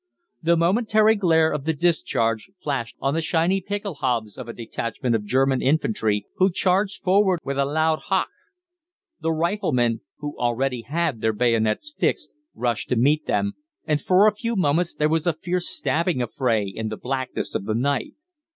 The momentary glare of the discharge flashed on the shiny "pickel haubes" of a detachment of German infantry, who charged forward with a loud "Hoch!" The Riflemen, who already had their bayonets fixed, rushed to meet them, and for a few moments there was a fierce stabbing affray in the blackness of the night.